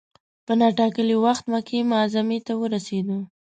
په نا ټا کلي وخت مکې معظمې ته ورسېدو.